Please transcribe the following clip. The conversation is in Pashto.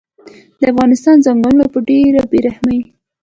د افغانستان ځنګلونه په ډیره بیرحمۍ